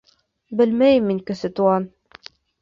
Белмәйем мин, Кесе Туған.